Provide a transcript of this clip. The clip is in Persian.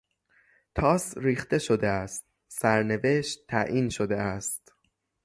تاس ریخته شده است، سرنوشت تعیین شده است.